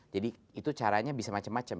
jadi itu caranya bisa macam macam